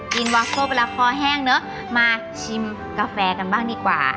กินวัสโต้เวลาคอแห้งเนอะมาชิมกาแฟกันบ้างดีกว่า